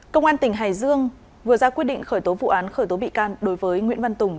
công an tỉnh hải dương vừa ra quyết định khởi tố vụ án khởi tố bị can đối với nguyễn văn tùng